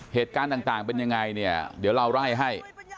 เหตุการณ์ต่างเป็นยังไงเนี่ยเดี๋ยวเราไล่ให้